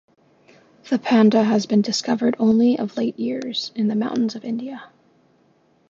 The panda has been discovered only of late years, in the mountains of India.